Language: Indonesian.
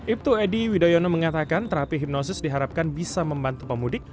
ibtu edy widoyono mengatakan terapi hipnosis diharapkan bisa membantu pemudik